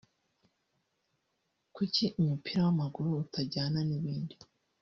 Kuki umupira w’amaguru utajyana n’ibindi